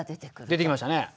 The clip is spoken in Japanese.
出てきましたね。